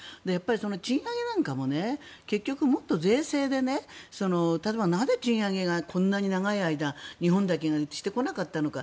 賃上げなんかも結局、もっと税制で例えば、なぜ賃上げがこんなに長い間日本だけがしてこなかったのか。